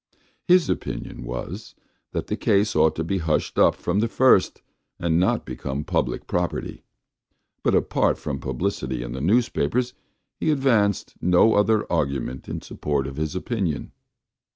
His opinion was that the case ought to be hushed up from the first and not become public property; but, apart from publicity in the newspapers, he advanced no other argument in support of this opinion.